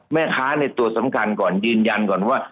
แม่ค้าในตัวสำคัญก่อนยืนยันก่อนว่า